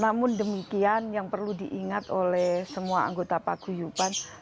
namun demikian yang perlu diingat oleh semua anggota paguyupan